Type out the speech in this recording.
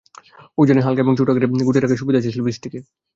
ওজনে হালকা এবং ছোট আকারে গুটিয়ে রাখার সুবিধা আছে সেলফি স্টিকের।